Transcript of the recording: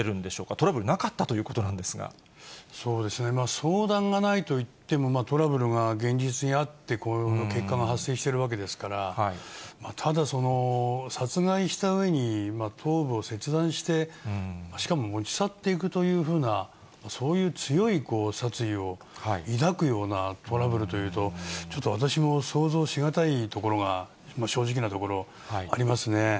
トラブルなかったということなんそうですね、相談がないといってもトラブルが現実にあって、この結果が発生しているわけですから、ただ殺害したうえに頭部を切断して、しかも持ち去っていくというふうな、そういう強い殺意を抱くようなトラブルというと、ちょっと私も想像し難いところが正直なところ、ありますね。